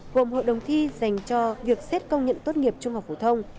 gồm hội đồng thi dành cho việc xét công nhận tốt nghiệp trung học phổ thông